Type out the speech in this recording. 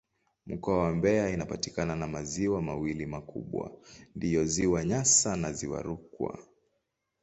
Mkoa wa Mbeya inapakana na maziwa mawili makubwa ndiyo Ziwa Nyasa na Ziwa Rukwa.